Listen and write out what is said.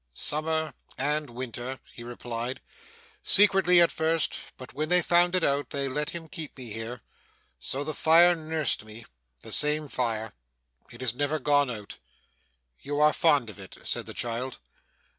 'Summer and winter,' he replied. 'Secretly at first, but when they found it out, they let him keep me here. So the fire nursed me the same fire. It has never gone out.' 'You are fond of it?' said the child.